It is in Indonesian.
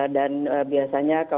dan biasanya kalau